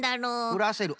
ふらせる？